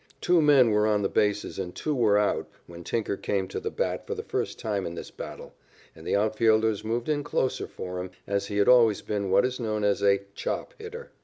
Two men were on the bases and two were out when Tinker came to the bat for the first time in this battle, and the outfielders moved in closer for him, as he had always been what is known as a "chop" hitter.